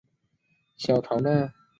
小桃纻